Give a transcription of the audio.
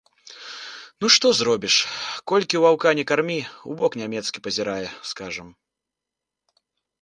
Ну што зробіш, колькі ваўка не кармі, у бок нямецкі пазірае, скажам.